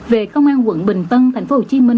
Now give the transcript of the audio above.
về công an quận bình tân tp hcm